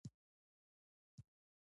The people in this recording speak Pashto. د لومړي ځل لپاره د طیارې پرواز ترسره شو.